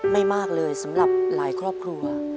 ไม่มากเลยสำหรับหลายครอบครัว